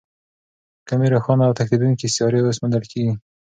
کمې روښانه او تښتېدونکې سیارې اوس موندل کېږي.